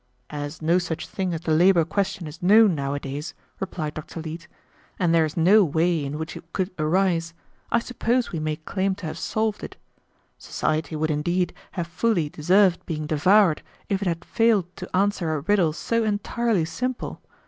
"As no such thing as the labor question is known nowadays," replied Dr. Leete, "and there is no way in which it could arise, I suppose we may claim to have solved it. Society would indeed have fully deserved being devoured if it had failed to answer a riddle so entirely simple.